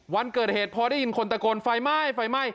วันเกิดเหตุพอได้ยินคนตะโกนไฟไหม้ไฟไหม้